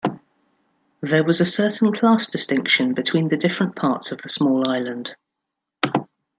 There was a certain class distinction between the different parts of the small island.